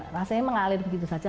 rasanya mengalir begitu saja